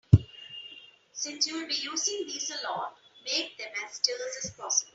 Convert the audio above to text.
Since you'll be using these a lot, make them as terse as possible.